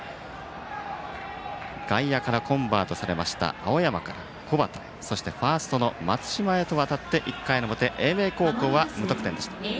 外野からコンバートされた青山から小畑、そしてファーストの松島へと渡って１回の表英明高校は無得点でした。